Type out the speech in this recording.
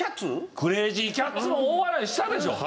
クレージー・キャッツも大笑いしたでしょう。